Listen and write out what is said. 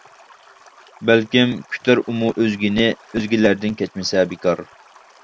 بەلكىم كۈتەر ئۇمۇ ئۆزگىنى، ئۆزگىلەردىن كەچمىسە بىكار.